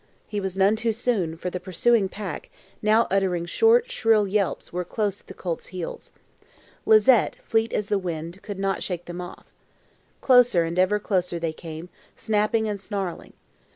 He was none too soon, for the pursuing pack, now uttering short, shrill yelps, were close at the colt's heels. Lizette, fleet as the wind, could not shake them off. Closer and ever closer they came, snapping and snarling.